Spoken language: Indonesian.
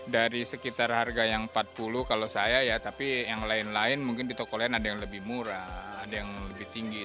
dari sekitar harga yang rp empat puluh kalau saya ya tapi yang lain lain mungkin di toko lain ada yang lebih murah ada yang lebih tinggi